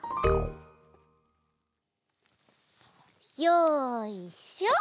よいしょ！